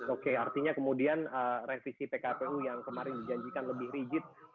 oke artinya kemudian revisi pkpu yang kemarin dijanjikan lebih rigid